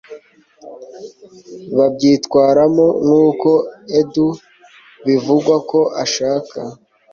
babyitwaramo nkuko Edu bivugwa ko ashaka